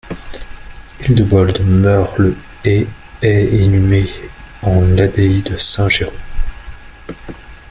Hildebold meurt le et est inhumé en l'abbaye de Saint-Géron.